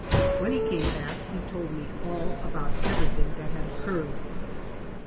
When he came back he told me all about everything that had occurred.